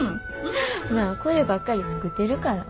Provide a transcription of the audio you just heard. まあこればっかり作ってるから。